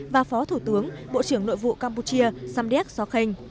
và phó thủ tướng bộ trưởng nội vụ campuchia samdech sokhenh